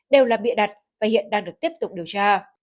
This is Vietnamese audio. đều là bịa đặt và hiện đang được tiếp tục điều tra